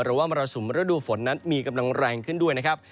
หรือว่ามรสุมฤดูฝนมีกำลังรแรงขึ้นด้วยนะครับ